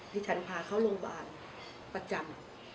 ที่ฉันพาเข้าโรงพยาบาลประจำ